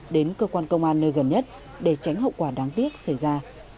đến cơ quan công an nơi gần nhất để tránh hậu quả đáng tiếc xảy ra